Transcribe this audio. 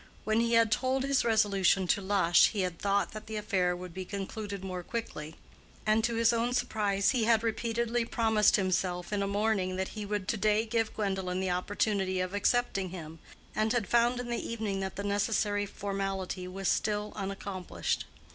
When he had told his resolution to Lush he had thought that the affair would be concluded more quickly, and to his own surprise he had repeatedly promised himself in a morning that he would to day give Gwendolen the opportunity of accepting him, and had found in the evening that the necessary formality was still unaccomplished.